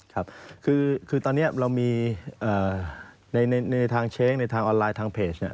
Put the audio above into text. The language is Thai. ครับคือตอนนี้เรามีในทางเช้งในทางออนไลน์ทางเพจเนี่ย